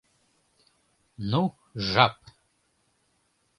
— Ну, жап!